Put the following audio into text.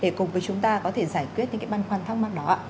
để cùng với chúng ta có thể giải quyết những băn khoăn thắc mắc đó